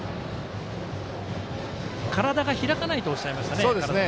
体が開かないとおっしゃいましたね、川原崎さん。